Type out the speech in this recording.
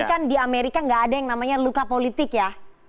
tapi kan di amerika nggak ada yang namanya luka politik ya